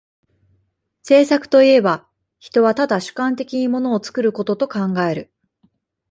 製作といえば、人は唯主観的に物を作ることと考える。